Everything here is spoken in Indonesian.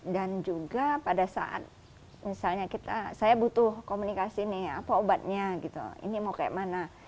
dan juga pada saat misalnya saya butuh komunikasi nih apa obatnya ini mau kayak mana